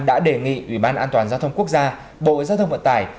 đã đề nghị ủy ban an toàn giao thông quốc gia bộ giao thông vận tải